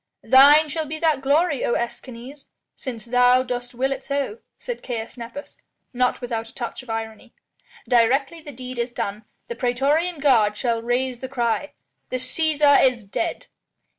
"Thine shall be that glory, O Escanes, since thou dost will it so," said Caius Nepos, not without a touch of irony. "Directly the deed is done, the praetorian guard shall raise the cry: 'The Cæsar is dead!'"